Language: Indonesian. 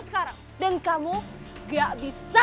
sekarang dan kamu gak bisa